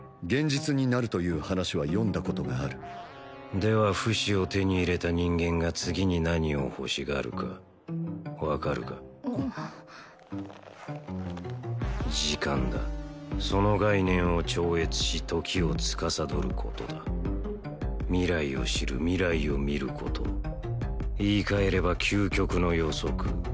現実になるという話は読んだことがあるでは不死を手に入れた人間が次に何を欲しがるか分かるか時間だその概念を超越し時をつかさどることだ未来を知る未来を見ること言い換えれば究極の予測